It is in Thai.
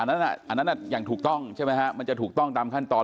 อันนั้นอย่างถูกต้องใช่ไหมฮะมันจะถูกต้องตามขั้นตอน